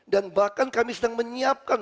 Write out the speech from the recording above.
dan bahkan kami sedang menyiapkan